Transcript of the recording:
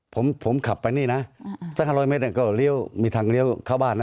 ผมผมขับไปนี่นะสัก๕๐๐เมตรก็เลี้ยวมีทางเลี้ยวเข้าบ้านนะ